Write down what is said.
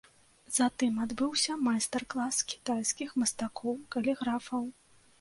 Затым адбыўся майстар-клас кітайскіх мастакоў-каліграфаў.